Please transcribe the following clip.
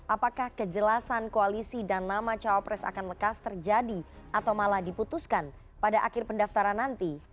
apakah kejelasan koalisi dan nama cawapres akan lekas terjadi atau malah diputuskan pada akhir pendaftaran nanti